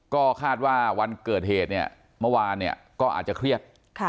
ก็คาดว่าวันเกิดเหตุมันทีก็อาจจะเครียด